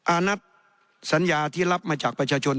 อานัทสัญญาที่รับมาจากประชาชน